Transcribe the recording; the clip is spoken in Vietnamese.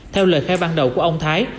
theo lời khai ban đầu của ông thái